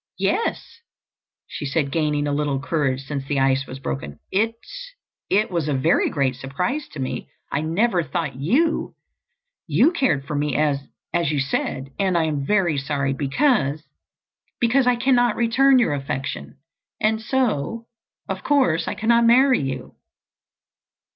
"Yes," she said, gaining a little courage since the ice was broken. "It—it—was a very great surprise to me. I never thought you—you cared for me as—as you said. And I am very sorry because—because I cannot return your affection. And so, of course, I cannot marry you."